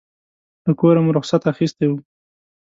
له کوره مو رخصت اخیستی و.